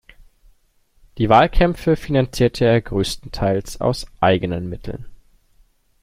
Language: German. Die Wahlkämpfe finanzierte er größtenteils aus eigenen Mitteln.